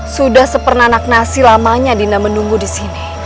sudah sepernanak nasi lamanya dinda menunggu di sini